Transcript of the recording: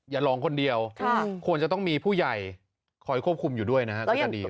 อย่าลองคนเดียวควรจะต้องมีผู้ใหญ่คอยควบคุมอยู่ด้วยนะฮะก็จะดี